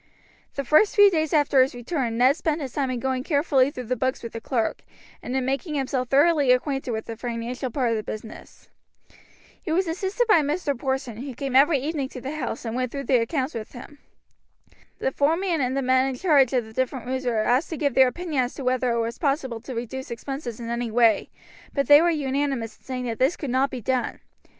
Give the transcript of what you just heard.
The first few days after his return Ned spent his time in going carefully through the books with the clerk, and in making himself thoroughly acquainted with the financial part of the business. He was assisted by Mr. Porson, who came every evening to the house, and went through the accounts with him. The foreman and the men in charge of the different rooms were asked to give their opinion as to whether it was possible to reduce expenses in any way, but they were unanimous in saying that this could not be done.